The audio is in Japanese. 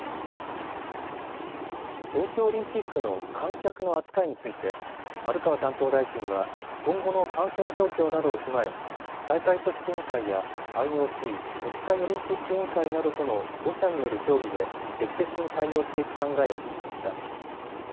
東京オリンピックの観客の扱いについて丸川担当大臣は今後の感染状況などを踏まえ大会組織委員会やＩＯＣ・国際オリンピック委員会などとの５者による協議で適切に対応していく考えを示しました。